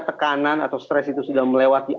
tekanan atau stres itu sudah melewati